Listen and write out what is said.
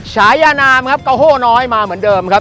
ฉายย่านามกะโห้น้อยมาเหมือนเดิมครับ